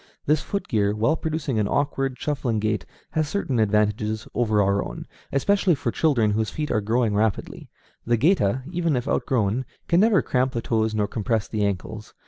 This foot gear, while producing an awkward, shuffling gait, has certain advantages over our own, especially for children whose feet are growing rapidly. The géta, even if outgrown, can never cramp the toes nor compress the ankles.